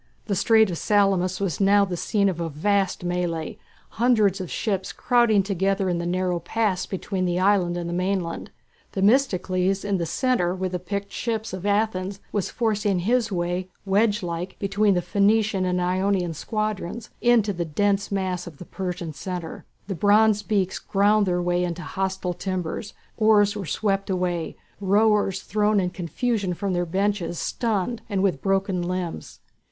The strait of Salamis was now the scene of a vast mêlée, hundreds of ships crowding together in the narrow pass between the island and the mainland. Themistocles in the centre with the picked ships of Athens was forcing his way, wedge like, between the Phoenician and Ionian squadrons into the dense mass of the Persian centre. The bronze beaks ground their way into hostile timbers, oars were swept away, rowers thrown in confusion from their benches stunned and with broken limbs.